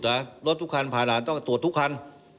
รถทุกคันผ่านด่านต้องตรวจทุกคัน